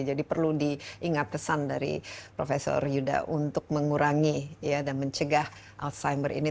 jadi perlu diingat pesan dari prof yuda untuk mengurangi dan mencegah alzheimer ini